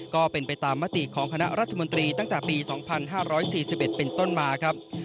ก็เป็นไปตามมติของคณะรัฐมนตรีตั้งแต่ปี๒๕๔๑เป็นต้นมาครับ